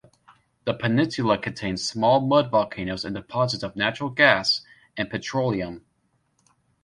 The peninsula contains small mud volcanoes and deposits of natural gas and petroleum.